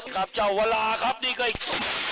ครับเจ้าวลาครับนี่ก็อีก